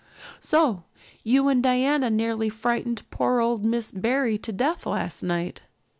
"So you and Diana nearly frightened poor old Miss Barry to death last night?"